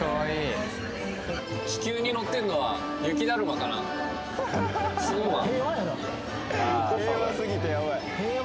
気球に乗ってるのは雪だるまかなＳｎｏｗＭａｎ？